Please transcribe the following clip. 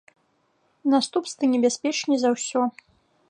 Наступствы небяспечней за ўсё.